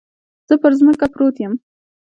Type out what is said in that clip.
زه پر ځمکه پروت يم.